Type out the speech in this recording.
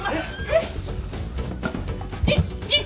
えっ？